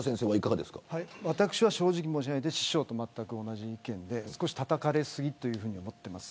私は正直に申し上げて師匠とまったく同じ意見で少したたかれ過ぎと思ってます。